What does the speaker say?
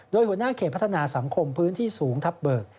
โดยหัวหน้าเขตพัฒนาสังคมพื้นที่สูงทับเบิก